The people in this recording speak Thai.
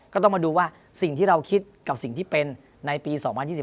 ก็ต้องมาดูว่าสิ่งที่เราคิดกับสิ่งที่เป็นในปี๒๐๒๒